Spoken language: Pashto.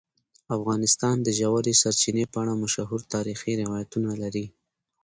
افغانستان د ژورې سرچینې په اړه مشهور تاریخی روایتونه لري.